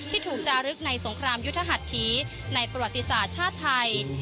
ที่ถูกจารึกในสงครามยุทธหัสถีในประวัติศาสตร์ชาติไทย